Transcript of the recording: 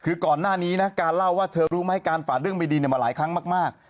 คือก่อนหน้านี้นะการเล่าว่าเธอรู้ไหมการฝ่าเรื่องไม่ดีมาหลายครั้งมาก